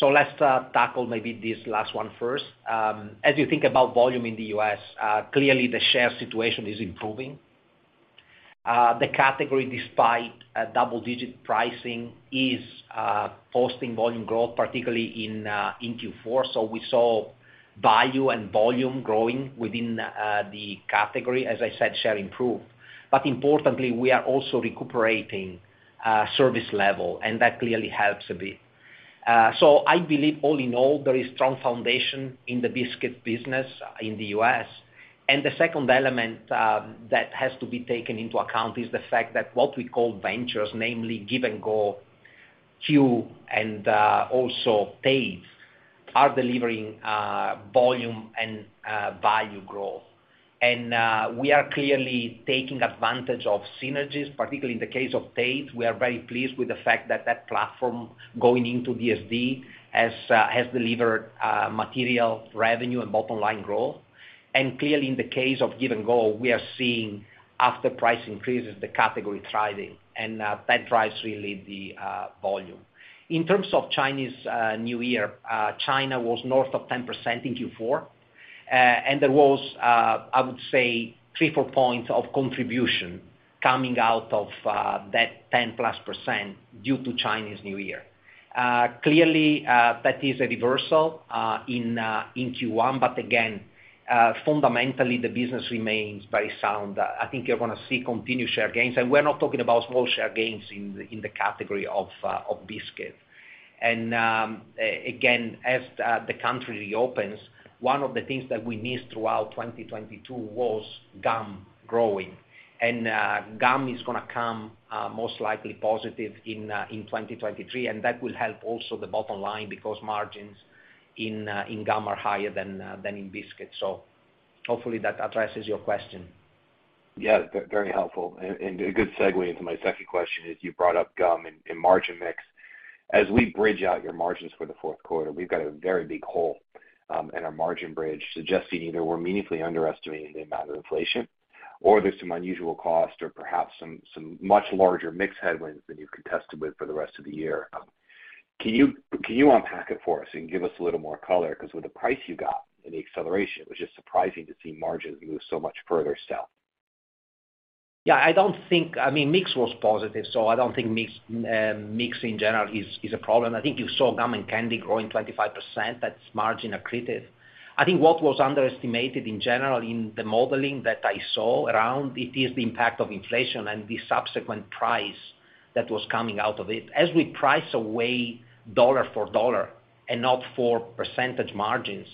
Let's tackle maybe this last one first. As you think about volume in the U.S., clearly the share situation is improving. The category, despite a double-digit pricing, is posting volume growth, particularly in Q4. We saw value and volume growing within the category, as I said, share improved. Importantly, we are also recuperating service level, and that clearly helps a bit. I believe all in all, there is strong foundation in the biscuit business in the U.S. The second element that has to be taken into account is the fact that what we call ventures, namely Give and Go, Clif and Perfect Snacks are delivering volume and value growth. We are clearly taking advantage of synergies, particularly in the case of Tate. We are very pleased with the fact that that platform going into DSD has delivered material revenue and bottom line growth. Clearly, in the case of Give and Go, we are seeing after price increases, the category thriving, and that drives really the volume. In terms of Chinese New Year, China was north of 10% in Q4. There was, I would say three, four points of contribution coming out of that 10%+ due to Chinese New Year. Clearly, that is a reversal in Q1, but again, fundamentally the business remains very sound. I think you're gonna see continued share gains, and we're not talking about small share gains in the category of biscuits. Again, as the country reopens, one of the things that we missed throughout 2022 was gum growing. Gum is gonna come most likely positive in 2023, and that will help also the bottom line because margins in gum are higher than in biscuits. Hopefully that addresses your question. Yeah, very helpful. A good segue into my second question is you brought up gum and margin mix. As we bridge out your margins for the fourth quarter, we've got a very big hole in our margin bridge, suggesting either we're meaningfully underestimating the amount of inflation or there's some unusual cost or perhaps some much larger mix headwinds than you've contested with for the rest of the year. Can you unpack it for us and give us a little more color? 'Cause with the price you got and the acceleration, which is surprising to see margins move so much further south. I don't think. I mean, mix was positive, I don't think mix in general is a problem. I think you saw gum and candy growing 25%. That's margin accretive. I think what was underestimated in general in the modeling that I saw around it is the impact of inflation and the subsequent price that was coming out of it. As we price away dollar for dollar and not for percentage margins,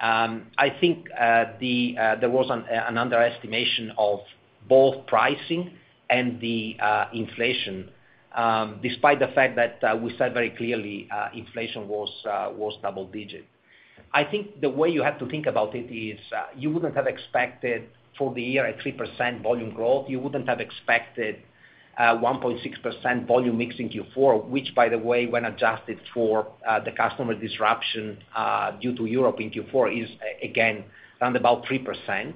I think there was an underestimation of both pricing and inflation despite the fact that we said very clearly inflation was double digit. I think the way you have to think about it is you wouldn't have expected for the year a 3% volume growth. You wouldn't have expected, 1.6% volume mix in Q4, which by the way, when adjusted for, the customer disruption, due to Europe in Q4, is again round about 3%.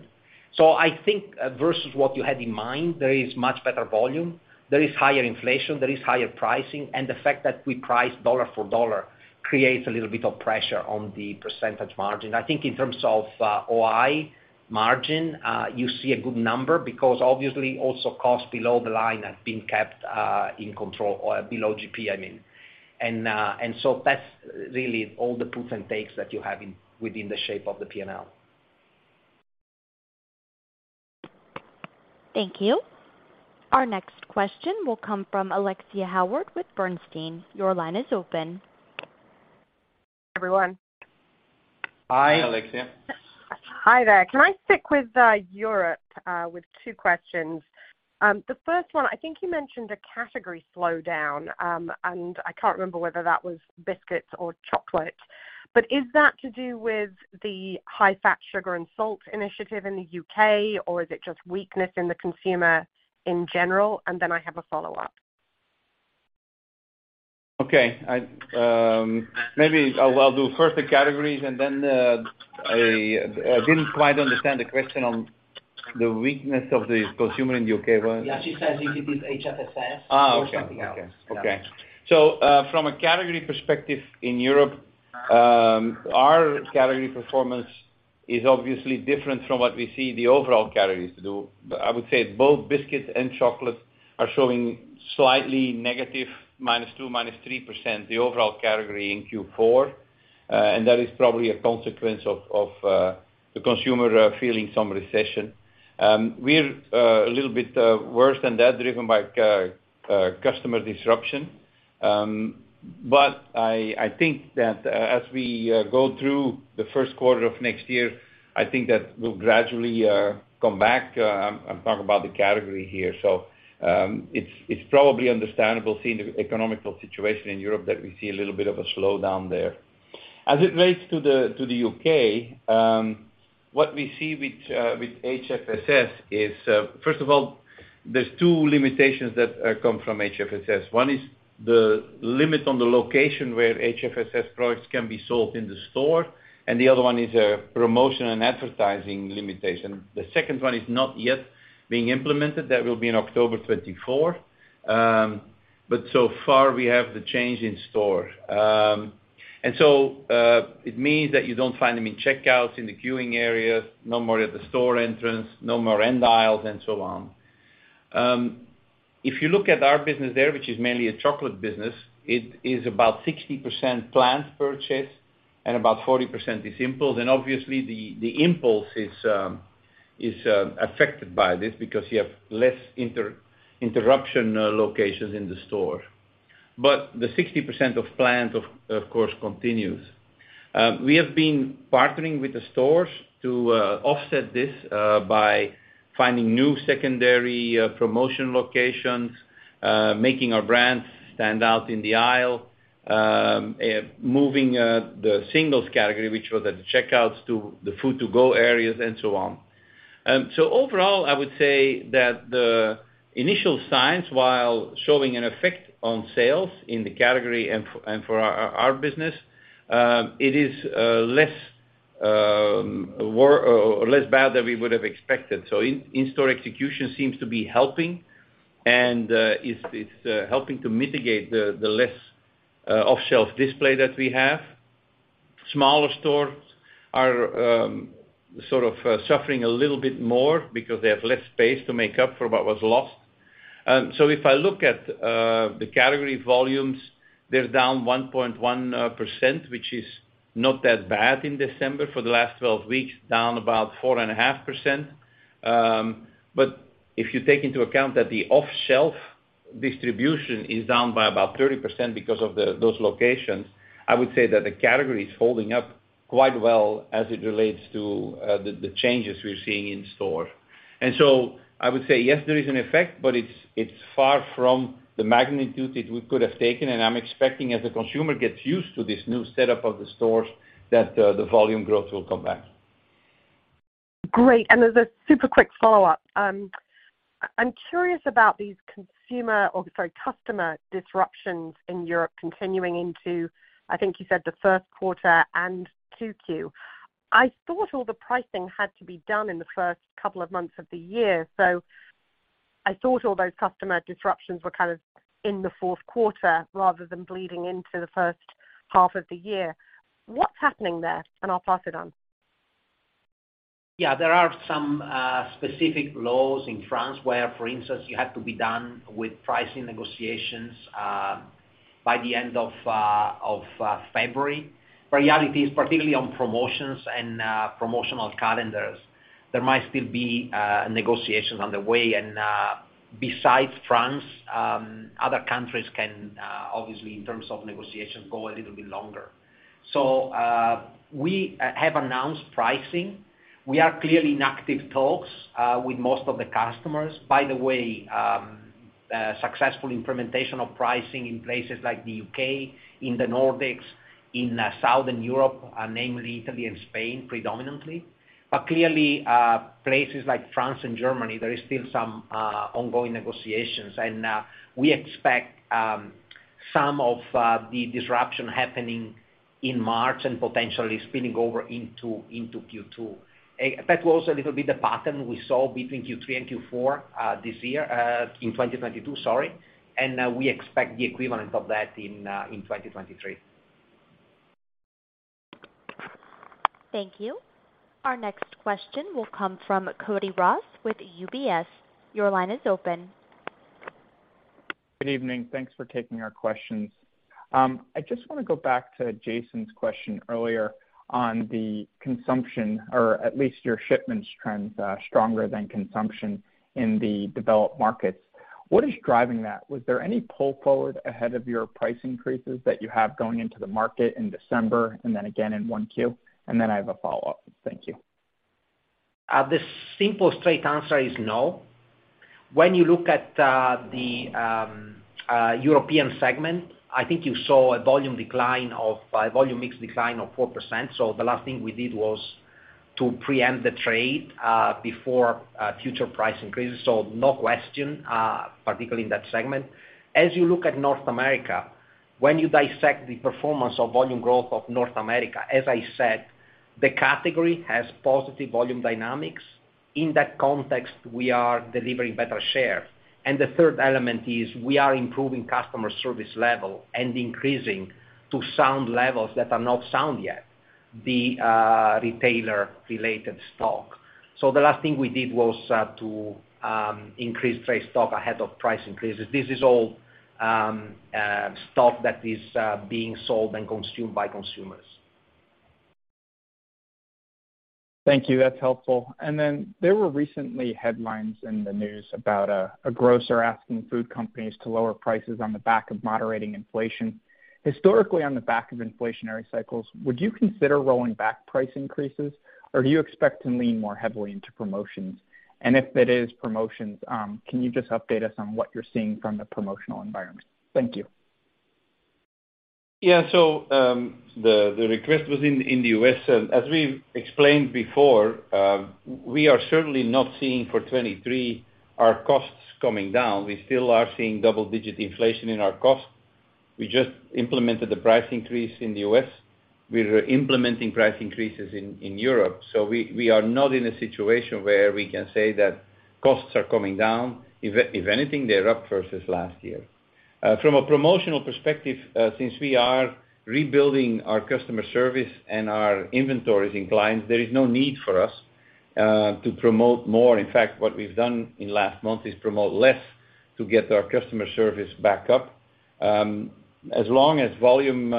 I think, versus what you had in mind, there is much better volume, there is higher inflation, there is higher pricing, and the fact that we price dollar for dollar creates a little bit of pressure on the percentage margin. I think in terms of, OI margin, you see a good number because obviously also cost below the line has been kept, in control or below GP, I mean. That's really all the puts and takes that you have in, within the shape of the P&L. Thank you. Our next question will come from Alexia Howard with Bernstein. Your line is open. Everyone. Hi. Hi, Alexia. Hi there. Can I stick with Europe with two questions? The first one, I think you mentioned a category slowdown, and I can't remember whether that was biscuits or chocolate. Is that to do with the High Fat, Sugar and Salt initiative in the U.K., or is it just weakness in the consumer in general? I have a follow-up. Okay. I, maybe I'll do first the categories and then, I didn't quite understand the question on the weakness of the consumer in the U.K. Go on. Yeah, she says you could use HFSS- Okay. Something else. Okay. From a category perspective in Europe, our category performance is obviously different from what we see the overall categories do. I would say both biscuits and chocolate are showing slightly negative -2%, -3% the overall category in Q4, and that is probably a consequence of the consumer feeling some recession. We're a little bit worse than that, driven by customer disruption. I think that as we go through the first quarter of next year, I think that we'll gradually come back. I'm talking about the category here. It's probably understandable seeing the economic situation in Europe that we see a little bit of a slowdown there. As it relates to the, to the U.K., what we see with HFSS is, first of all, there's two limitations that come from HFSS. One is the limit on the location where HFSS products can be sold in the store, and the other one is a promotion and advertising limitation. The second one is not yet being implemented. That will be in October 2024. So far we have the change in store. It means that you don't find them in checkouts, in the queuing areas, no more at the store entrance, no more end aisles, and so on. If you look at our business there, which is mainly a chocolate business, it is about 60% planned purchase and about 40% is impulse. Obviously the impulse is affected by this because you have less interruption, locations in the store. The 60% of planned, of course, continues. We have been partnering with the stores to offset this by finding new secondary promotion locations. Making our brands stand out in the aisle, moving the singles category, which was at the checkouts to the food to go areas, and so on. Overall, I would say that the initial signs, while showing an effect on sales in the category and for our business, it is less or less bad than we would have expected. In-store execution seems to be helping, and is helping to mitigate the less off-shelf display that we have. Smaller stores are sort of suffering a little bit more because they have less space to make up for what was lost. If I look at the category volumes, they're down 1.1%, which is not that bad in December for the last 12 weeks, down about 4.5%. If you take into account that the off-shelf distribution is down by about 30% because of those locations, I would say that the category is holding up quite well as it relates to the changes we're seeing in store. I would say yes, there is an effect, but it's far from the magnitude that we could have taken. I'm expecting as the consumer gets used to this new setup of the stores, that the volume growth will come back. Great. As a super quick follow-up. I'm curious about these consumer, or sorry, customer disruptions in Europe continuing into, I think you said the first quarter and 2Q. I thought all the pricing had to be done in the first couple of months of the year. I thought all those customer disruptions were kind of in the fourth quarter rather than bleeding into the first half of the year. What's happening there? I'll pass it on. There are some specific laws in France where, for instance, you have to be done with pricing negotiations by the end of February. Reality is particularly on promotions and promotional calendars, there might still be negotiations on the way. Besides France, other countries can obviously, in terms of negotiations, go a little bit longer. We have announced pricing. We are clearly in active talks with most of the customers. By the way, successful implementation of pricing in places like the U.K., in the Nordics, in Southern Europe, namely Italy and Spain predominantly. Clearly, places like France and Germany, there is still some ongoing negotiations. We expect some of the disruption happening in March and potentially spilling over into Q2. That was a little bit the pattern we saw between Q3 and Q4, this year, in 2022, sorry. We expect the equivalent of that in 2023. Thank you. Our next question will come from Cody Ross with UBS. Your line is open. Good evening. Thanks for taking our questions. I just wanna go back to Jason's question earlier on the consumption, or at least your shipments trends, stronger than consumption in the developed markets. What is driving that? Was there any pull forward ahead of your price increases that you have going into the market in December and then again in 1Q? I have a follow-up. Thank you. The simple straight answer is no. When you look at the European segment, I think you saw a volume mix decline of 4%. The last thing we did was to preempt the trade before future price increases. No question, particularly in that segment. As you look at North America, when you dissect the performance of volume growth of North America, as I said, the category has positive volume dynamics. In that context, we are delivering better share. The third element is we are improving customer service level and increasing to sound levels that are not sound yet, the retailer-related stock. The last thing we did was to increase trade stock ahead of price increases. This is all stock that is being sold and consumed by consumers. Thank you. That's helpful. There were recently headlines in the news about a grocer asking food companies to lower prices on the back of moderating inflation. Historically, on the back of inflationary cycles, would you consider rolling back price increases? Do you expect to lean more heavily into promotions? If it is promotions, can you just update us on what you're seeing from the promotional environment? Thank you. Yeah. The request was in the U.S. As we explained before, we are certainly not seeing for 2023 our costs coming down. We still are seeing double-digit inflation in our costs. We just implemented the price increase in the US. We're implementing price increases in Europe. We are not in a situation where we can say that costs are coming down. If anything, they're up versus last year. From a promotional perspective, since we are rebuilding our customer service and our inventories in clients, there is no need for us to promote more. In fact, what we've done in last month is promote less to get our customer service back up. As long as volume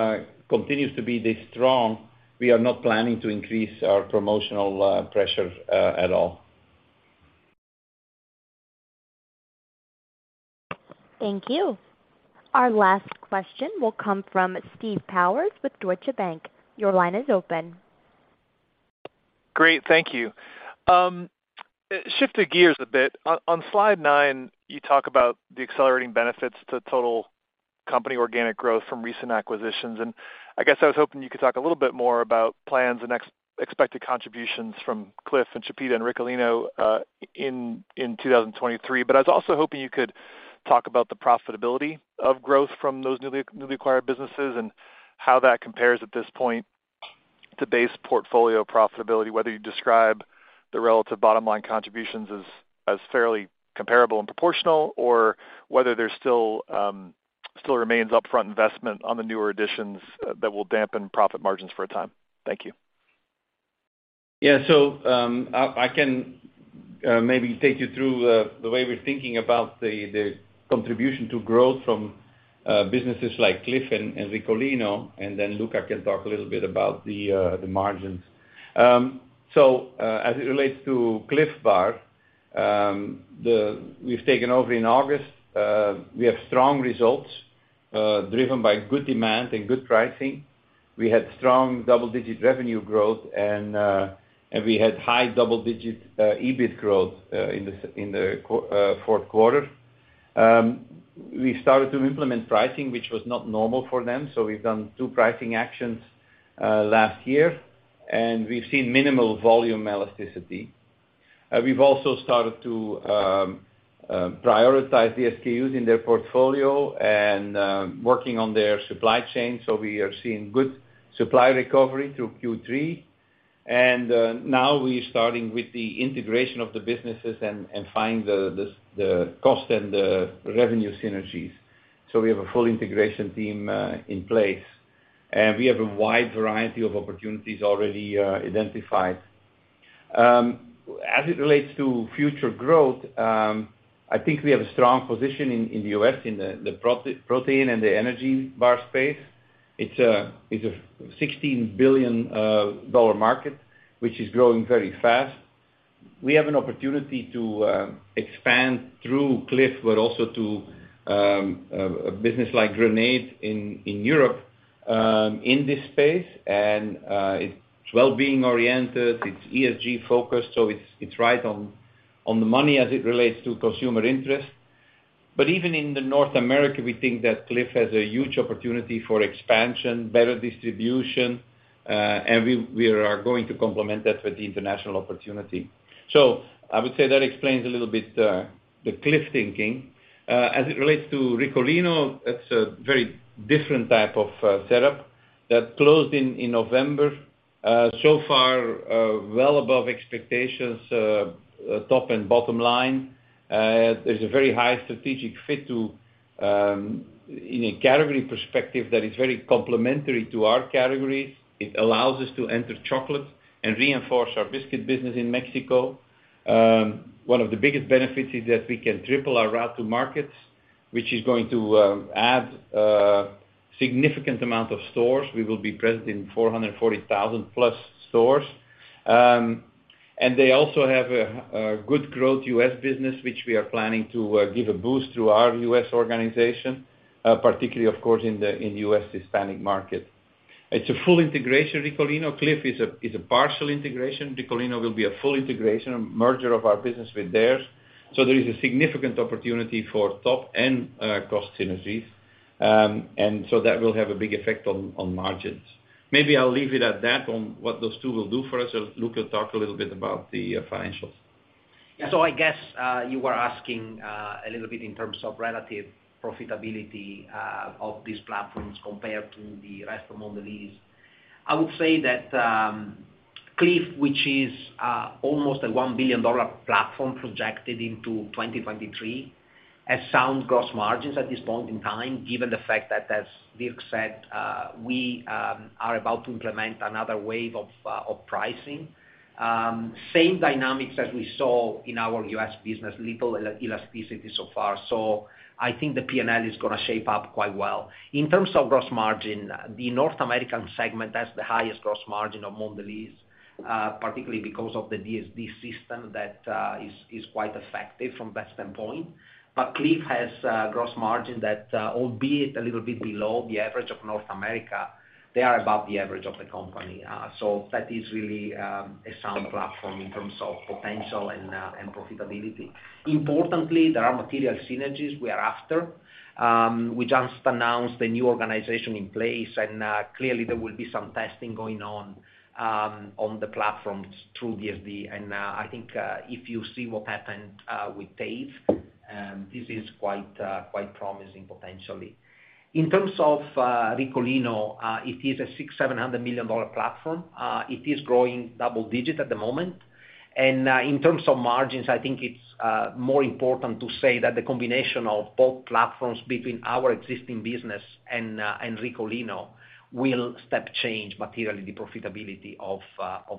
continues to be this strong, we are not planning to increase our promotional pressure at all. Thank you. Our last question will come from Stephen Powers with Deutsche Bank. Your line is open. Great. Thank you. Shifting gears a bit. On slide nine, you talk about the accelerating benefits to total company organic growth from recent acquisitions. I guess I was hoping you could talk a little bit more about plans and expected contributions from Clif and Chipita and Ricolino in 2023. I was also hoping you could talk about the profitability of growth from those newly acquired businesses and how that compares at this point to base portfolio profitability, whether you describe the relative bottom line contributions as fairly comparable and proportional or whether there still remains upfront investment on the newer additions that will dampen profit margins for a time. Thank you. I can maybe take you through the way we're thinking about the contribution to growth from businesses like Clif and Ricolino, and then Luca can talk a little bit about the margins. As it relates to Clif Bar, we've taken over in August. We have strong results, driven by good demand and good pricing. We had strong double-digit revenue growth and we had high double-digit EBIT growth in the fourth quarter. We started to implement pricing, which was not normal for them, so we've done two pricing actions last year, and we've seen minimal volume elasticity. We've also started to prioritize the SKUs in their portfolio and working on their supply chain, so we are seeing good supply recovery through Q3. Now we're starting with the integration of the businesses and find the cost and the revenue synergies. We have a full integration team in place. We have a wide variety of opportunities already identified. As it relates to future growth, I think we have a strong position in the U.S. in the protein and the energy bar space. It's a $16 billion market, which is growing very fast. We have an opportunity to expand through Clif, but also to a business like Grenade in Europe in this space. It's wellbeing-oriented, it's ESG-focused, so it's right on the money as it relates to consumer interest. Even in North America, we think that Clif has a huge opportunity for expansion, better distribution, and we are going to complement that with the international opportunity. I would say that explains a little bit the Clif thinking. As it relates to Ricolino, it's a very different type of setup. That closed in November. So far, well above expectations, top and bottom line. There's a very high strategic fit to in a category perspective that is very complementary to our categories. It allows us to enter chocolate and reinforce our biscuit business in Mexico. One of the biggest benefits is that we can triple our route to markets, which is going to add significant amount of stores. We will be present in 440,000 plus stores. They also have a good growth U.S. business, which we are planning to give a boost through our U.S. organization, particularly of course in the U.S. Hispanic market. It's a full integration, Ricolino. Clif is a partial integration. Ricolino will be a full integration, a merger of our business with theirs. There is a significant opportunity for top and cost synergies. That will have a big effect on margins. Maybe I'll leave it at that on what those two will do for us. Luca will talk a little bit about the financials. I guess, you were asking a little bit in terms of relative profitability of these platforms compared to the rest of Mondelēz. I would say that Clif, which is almost a $1 billion platform projected into 2023, has sound gross margins at this point in time, given the fact that, as Dirk said, we are about to implement another wave of pricing. Same dynamics as we saw in our U.S. business, little elasticity so far. I think the P&L is gonna shape up quite well. In terms of gross margin, the North American segment has the highest gross margin of Mondelēz, particularly because of the DSD system that is quite effective from that standpoint. Clif has gross margin that, albeit a little bit below the average of North America, they are above the average of the company. That is really a sound platform in terms of potential and profitability. Importantly, there are material synergies we are after. We just announced the new organization in place, and clearly there will be some testing going on on the platforms through DSD. I think if you see what happened with Tate, this is quite promising potentially. In terms of Ricolino, it is a $600 million-$700 million platform. It is growing double-digit at the moment. In terms of margins, I think it's more important to say that the combination of both platforms between our existing business and Ricolino will step change materially the profitability of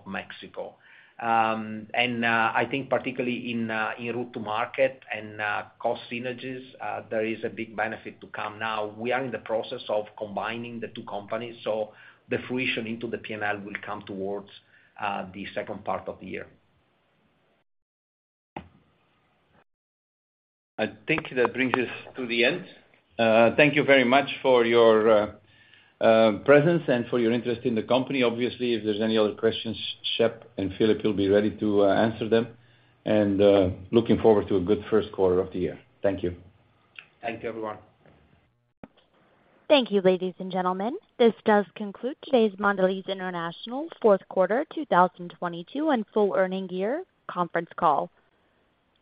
Mexico. I think particularly in route to market and cost synergies, there is a big benefit to come. Now, we are in the process of combining the two companies, so the fruition into the P&L will come towards the second part of the year. I think that brings us to the end. Thank you very much for your presence and for your interest in the company. Obviously, if there's any other questions, Shep and Philippe will be ready to answer them. Looking forward to a good first quarter of the year. Thank you. Thank you, everyone. Thank you, ladies and gentlemen. This does conclude today's Mondelez International fourth quarter 2022 and full earning year conference call.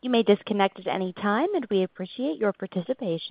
You may disconnect at any time, and we appreciate your participation.